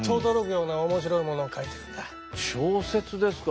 小説ですか。